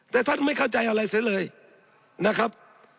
แต่ท่านไม่เข้าใจอะไรเสียเลยนะครับ